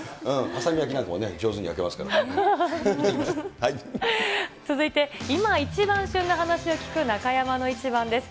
アサリ焼きなんかも上手に焼続いて、今一番旬な話を聞く中山のイチバンです。